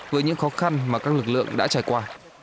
với những khó khăn mà các lực lượng đã trải qua